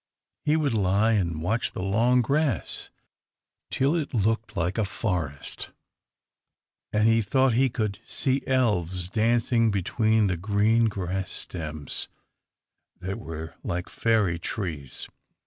He would lie and watch the long grass till it locked like a forest, and he thought he could see elves dancing between the green grass stems, that were like fairy trees.